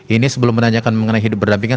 ini sebelum menanyakan mengenai hidup berdampingan